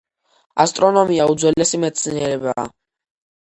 ასტრონომია უძველესი მეცნიერებაა.